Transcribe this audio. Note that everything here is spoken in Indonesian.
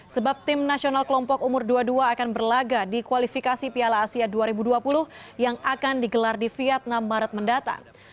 sebab tim nasional kelompok umur dua puluh dua akan berlaga di kualifikasi piala asia dua ribu dua puluh yang akan digelar di vietnam maret mendatang